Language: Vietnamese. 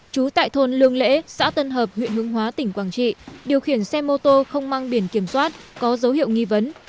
trú tại thôn lương lễ xã tân hợp huyện hương hóa tỉnh quảng trị điều khiển xe mô tô không mang biển kiểm soát có dấu hiệu nghi vấn